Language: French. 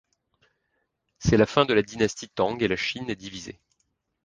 C'est la fin de la dynastie Tang et la Chine est divisée.